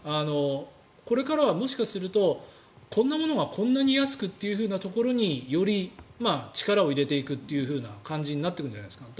これからはもしかするとこんなものがこんなに安くというふうなところにより力を入れていくという感じになっていくんじゃないですか。